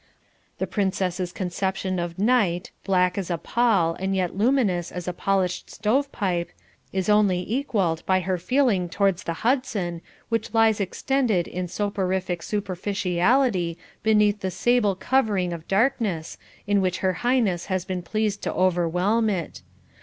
The Princess's conception of night, black as a pall and yet luminous as a polished stove pipe, is only equalled by her feeling towards the Hudson which lies extended in soporific superficiality beneath the sable covering of darkness in which Her Highness has been pleased to overwhelm it.